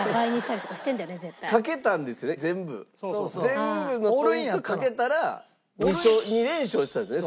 全部のポイントかけたら２連勝したんですよね